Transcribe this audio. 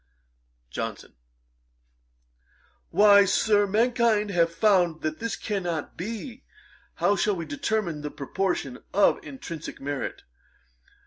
JOHNSON. 'Why, Sir, mankind have found that this cannot be. How shall we determine the proportion of intrinsick merit?